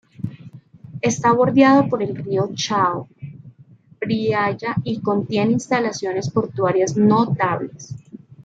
Está bordeado por el Río Chao Phraya y contiene instalaciones portuarias notables.